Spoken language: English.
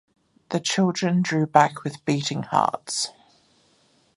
The children drew back with beating hearts.